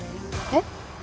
えっ？